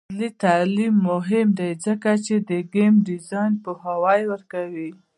عصري تعلیم مهم دی ځکه چې د ګیم ډیزاین پوهاوی ورکوي.